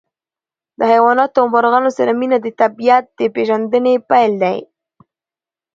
د حیواناتو او مرغانو سره مینه د طبیعت د پېژندنې پیل دی.